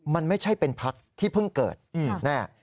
มันไม่ใช่เป็นพักที่เพิ่งเกิดแน่